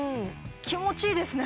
気持ちいいですね